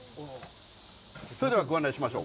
それでご案内しましょう。